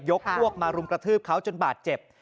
พวกมารุมกระทืบเขาจนบาดเจ็บ